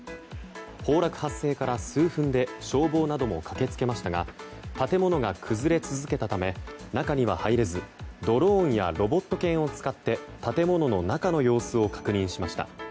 崩落発生から数分で消防なども駆けつけましたが建物が崩れ続けたため中には入れずドローンやロボット犬を使って建物の中の様子を確認しました。